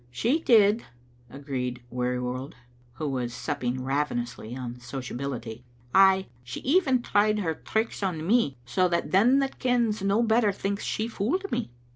"' "She did," agreed Wearjrworld, who was supping ravenously on sociability ;" ay, she even tried her tricks on me, so that them that kens no better thinks she fooled me.